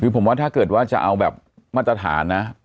คือผมว่าถ้าเกิดว่าจะเอาแบบมาตรฐานนะ